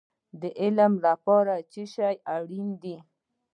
د علم لپاره څه شی اړین دی؟